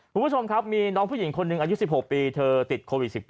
คุณผู้ชมครับมีน้องผู้หญิงคนหนึ่งอายุ๑๖ปีเธอติดโควิด๑๙